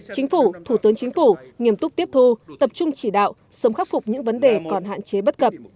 chính phủ thủ tướng chính phủ nghiêm túc tiếp thu tập trung chỉ đạo sớm khắc phục những vấn đề còn hạn chế bất cập